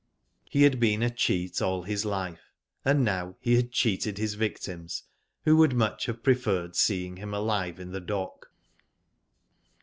He had been a cheat all his life, and now he had cheated his victims, who would much have preferred seeing him alive in the dock.